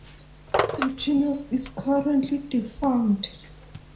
The genus is currently defunct.